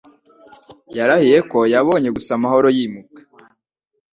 Yarahiye ko yabonye gusa Mahoro yimuka.